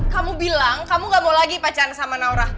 kamu bilang kamu gak mau lagi pacaran sama naura